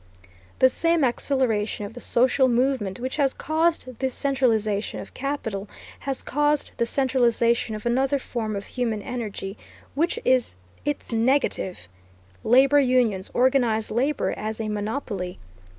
The same acceleration of the social movement which has caused this centralization of capital has caused the centralization of another form of human energy, which is its negative: labor unions organize labor as a monopoly.